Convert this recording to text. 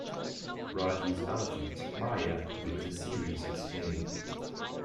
Raji's elephant, Maya, gave the series its name.